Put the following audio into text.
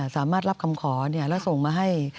สามารถรับคำขอแล้วส่งมาให้